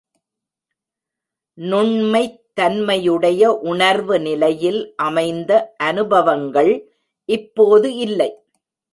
நுண்மைத் தன்மையுடைய உணர்வு நிலையில் அமைந்த அனுபவங்கள் இப்போது இல்லை.